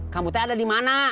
kamu teh ada di mana